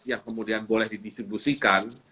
yang kemudian boleh didistribusikan